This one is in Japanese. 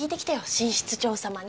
新室長様に。